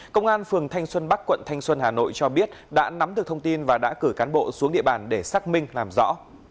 công an phường thanh xuân bắc quận thanh xuân hà nội cho biết đã nắm được thông tin và đã cử cán bộ xuống địa bàn để xác minh làm rõ